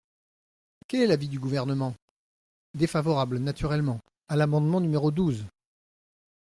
Quel est l’avis du Gouvernement ? Défavorable, naturellement, à l’amendement numéro douze.